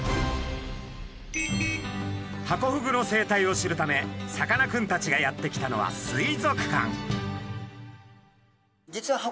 ハコフグの生態を知るためさかなクンたちがやって来たのは水族館。